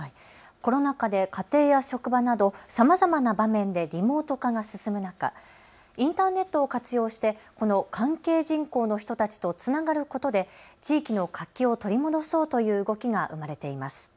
コロナ禍で家庭や職場などさまざまな場面でリモート化が進む中、インターネットを活用してこの関係人口の人たちとつながることで地域の活気を取り戻そうという動きが生まれています。